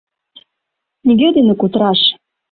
Нигӧ дене кутыраш.